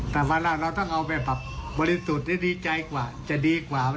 แต่ว่าเราต้องเอาไปบริสุทธิ์ได้ดีใจกว่าจะดีกว่า